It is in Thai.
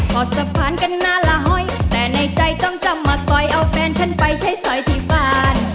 พอสะพานกันนานละห้อยแต่ในใจจ้องจำมาสอยเอาแฟนฉันไปใช้สอยที่บ้าน